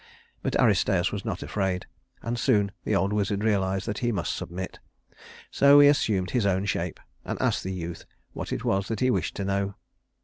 But Aristæus was not afraid, and soon the old wizard realized that he must submit; so he assumed his own shape, and asked the youth what it was that he wished to know.